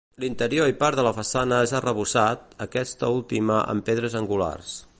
L'interior i part de la façana és arrebossat, aquesta última amb pedres angulars.